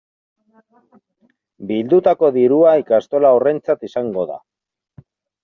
Bildutako dirua ikastola horrentzat izango da.